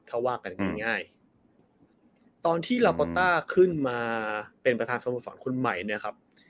ถ้าว่ากันง่ายตอนที่ขึ้นมาเป็นประธานสมุทรศาลคุณใหม่เนี่ยครับ